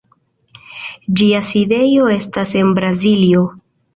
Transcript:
Ĝia sidejo estas en Braziljo.